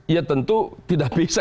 ya tentu tidak bisa